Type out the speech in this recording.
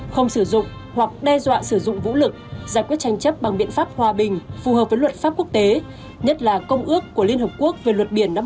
không sử dụng hoặc đe dọa sử dụng vũ lực giải quyết tranh chấp bằng biện pháp hòa bình phù hợp với luật pháp quốc tế nhất là công ước của liên hợp quốc về luật biển năm hai nghìn hai mươi hai